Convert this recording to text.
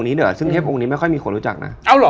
นโมตัสะพระควาโต